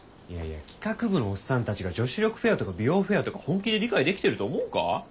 いやいや企画部のオッサンたちが女子力フェアとか美容フェアとか本気で理解できてると思うか？